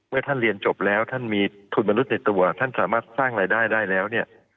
เมื่อท่านเรียนจบแล้วท่านมีทุนมนุษย์ในตัวท่านสามารถสร้างรายได้ได้แล้วเนี่ย